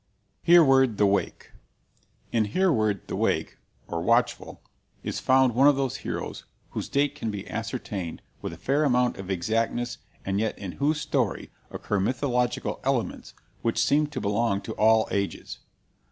HEREWARD THE WAKE In Hereward the Wake (or "Watchful") is found one of those heroes whose date can be ascertained with a fair amount of exactness and yet in whose story occur mythological elements which seem to belong to all ages.